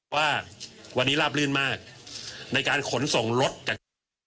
ว่าวันนี้ราบลื่นมากในการขนส่งรถจาก